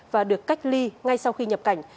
và được cách ly ngay sau khi nhập cảnh